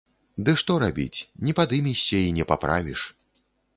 Ды што рабіць, не падымешся і не паправіш.